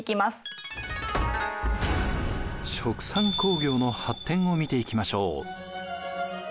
「殖産興業」の発展を見ていきましょう。